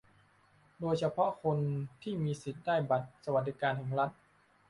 โดยเฉพาะคนที่มีสิทธิ์ได้บัตรสวัสดิการแห่งรัฐ